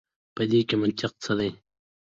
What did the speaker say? په دې کي منطق څه دی.